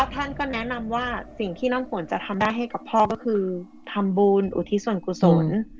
ท่านก็แนะนำว่าสิ่งที่น้ำฝนจะทำได้ให้กับพ่อก็คือทำบุญอุทิศส่วนกุศล